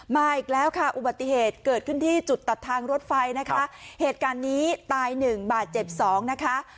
มาอีกแล้วค่ะอุบัติเหตุเกิดขึ้นที่จุดตัดทางรถไฟนะคะเหตุการณ์นี้ตายหนึ่งบาดเจ็บสองนะคะ